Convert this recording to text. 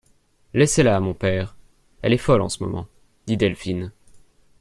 Laissez-la, mon père, elle est folle en ce moment, dit Delphine.